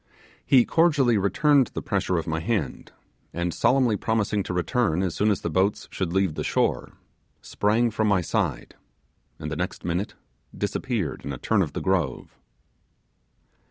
He cordially returned the pressure of my hand, and solemnly promising to return as soon as the boats should leave the shore, sprang from my side, and the next minute disappeared in a turn of the grove.